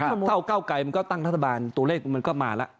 เท่าเก้าไกรมันก็ตั้งรัฐบาลตัวเลขมันก็มาแล้ว